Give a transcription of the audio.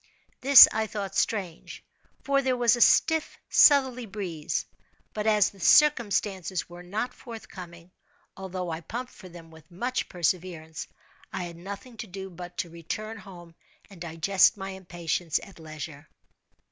This I thought strange, for there was a stiff southerly breeze; but as "the circumstances" were not forthcoming, although I pumped for them with much perseverance, I had nothing to do but to return home and digest my impatience at leisure.